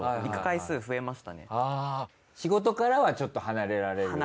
仕事からはちょっと離れられる感じ。